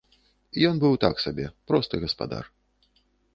Ён быў так сабе, просты гаспадар.